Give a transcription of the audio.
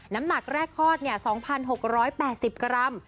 น้ำหนักแรกคลอด๒๖๘๐กรัม